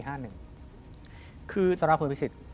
สำหรับคุณพิศิษฐ์